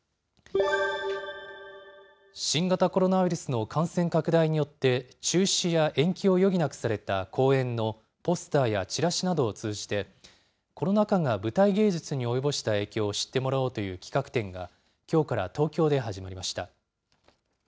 新型コロナウイルスの感染拡大によって、中止や延期を余儀なくされた公演のポスターやチラシなどを通じて、コロナ禍が舞台芸術に及ぼした影響を知ってもらおうという企画展が、きょうから東京で始まりました。